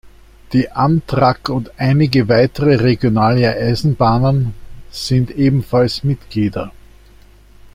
Die Amtrak und einige weitere regionale Eisenbahnen sind ebenfalls Mitglieder.